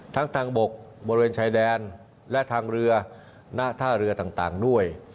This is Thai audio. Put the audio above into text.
ทั้งทางบกบริเวณชายแดนและทางเรือหน้าท่าเรือต่างต่างด้วย